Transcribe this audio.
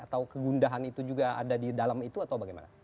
atau kegundahan itu juga ada di dalam itu atau bagaimana